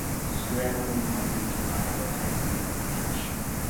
Suya madum malich ma wachako winjo kech